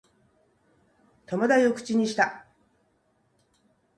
戸惑いを口にした